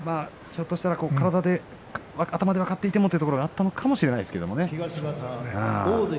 ひょっとしたら頭では分かっていたけれどもというところなのかもしれませんね。